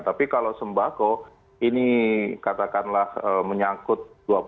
tapi kalau sembako ini katakanlah menyangkut dua puluh